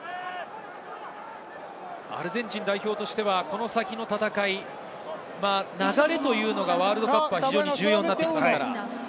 アルゼンチン代表としてはこの先の戦い、流れというのがワールドカップは重要になってきます。